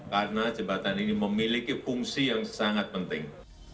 karena jembatan ini memiliki fungsi yang sangat penting